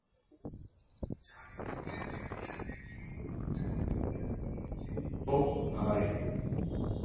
চারিদিকে চাহিয়া দেখিল, কোথাও কাহারো কোনো চিহ্ন নাই।